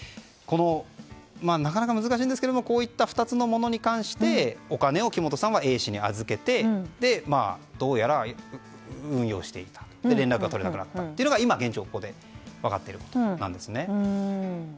なかなか難しいんですけどこういった２つのものに関してお金をＡ氏に預けてどうやら運用していて連絡が取れなくなったというのが現状、分かっています。